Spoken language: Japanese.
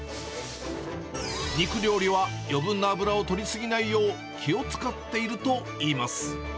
肉料理は余分な脂を取り過ぎないよう、気を遣っているといいます。